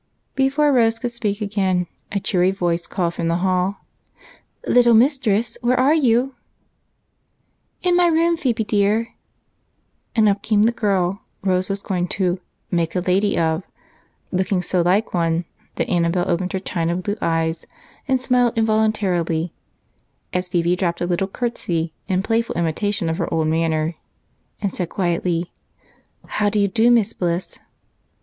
Before Rose could speak again, a cheery voice called from the hall, "Little mistress, where are you?" "In my room, Phebe, dear," and up came the girl Rose was going to "make a lady of," looking so like one that Annabel opened her china blue eyes and smiled involuntarily as Phebe dropped a little curtsey in playful imitation of her old manner and said quietly: "How do you do, Miss Bliss?"